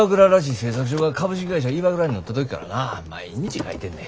製作所が株式会社ＩＷＡＫＵＲＡになった時からな毎日書いてんね。